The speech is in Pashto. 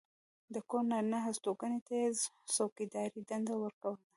د کور نارینه هستوګنو ته یې د څوکېدارۍ دنده ورکوله.